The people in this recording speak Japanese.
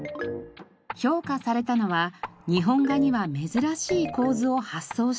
評価されたのは日本画には珍しい構図を発想した力。